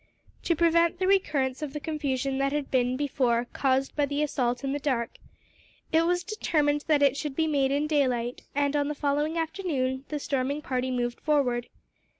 To prevent the recurrence of the confusion that had been, before, caused by the assault in the dark, it was determined that it should be made in daylight and, on the following afternoon, the storming party moved forward.